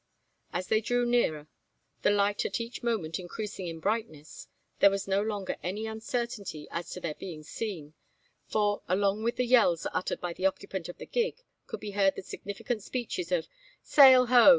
As they drew nearer, the light at each moment increasing in brightness, there was no longer any uncertainty as to their being seen; for, along with the yells uttered by the occupant of the gig, could be heard the significant speeches of, "Sail ho!